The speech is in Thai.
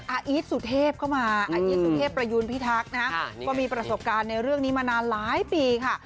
อีทสุเทพก็มาอาอีทสุเทพประยูนพิทักษ์นะฮะก็มีประสบการณ์ในเรื่องนี้มานานหลายปีค่ะ